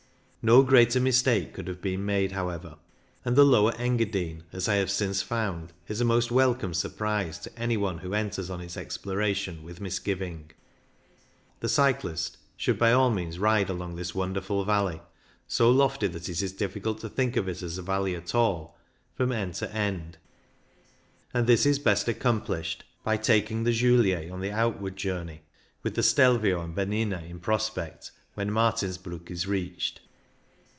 No greater mistake could have been made, however, and the Lower Engadine, as I have since found, is a most welcome sur prise to any one who enters on its explora tion with misgiving. The cyclist should by all means ride along this wonderful valley — so lofty that it is difficult to think of it as a valley at all — from end to end, and this is best accomplished by taking the Julier on the outward journey, with the Stelvio and Bernina in prospect when Martinsbruck is reached.